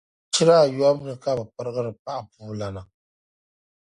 Chira ayɔbu ni ka bi pirigiri paɣapuulana